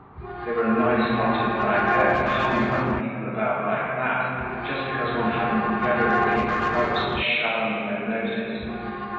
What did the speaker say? They were a nice lot inside there to humbug people about like that, just because one hadn't yellow kid gloves to shove under their noses!